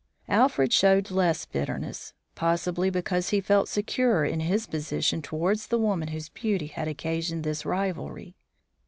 Alfred showed less bitterness, possibly because he felt securer in his position towards the woman whose beauty had occasioned this rivalry.